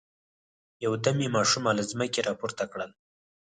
يودم يې ماشومه له ځمکې را پورته کړل.